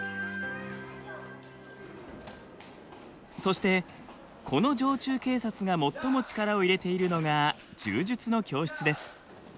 そしてこの常駐警察が最も力を入れているのが柔術の教室です。